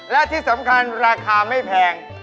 และที่สำคัญราคาไม่แพง